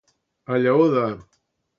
A llaor de.